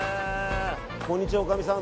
こんにちは、おかみさん。